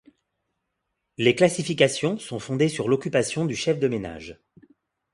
Les classifications sont fondées sur l'occupation du chef de ménage.